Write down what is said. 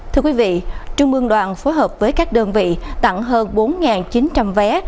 thưa quý vị trung mương đoàn phối hợp với các đơn vị tặng hơn bốn chín trăm linh vé